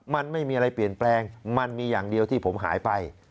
มันไม่มีอะไรเปลี่ยนแปลงมันมีอย่างเดียวที่ผมหายไป